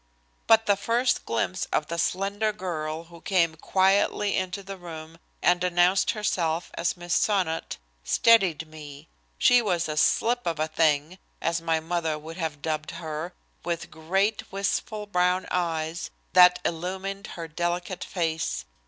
But the first glimpse of the slender girl who came quietly into the room and announced herself as Miss Sonnot steadied me. She was a "slip of a thing," as my mother would have dubbed her, with great, wistful brown eyes that illumined her delicate face.